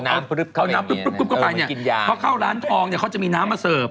เอาน้ำปุ๊บเข้าไปเนี่ยกินยาเพราะเข้าร้านทองเนี่ยเขาจะมีน้ำมาเสิร์ฟ